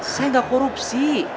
saya gak korupsi